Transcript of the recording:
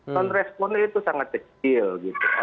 dan responnya itu sangat kecil gitu